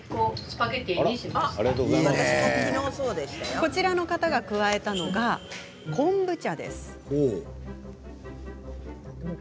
こちらの方が加えたのが昆布茶。